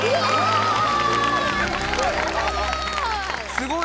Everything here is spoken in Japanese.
すごーい！